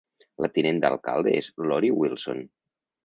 La tinent d'alcalde és Lori Wilson.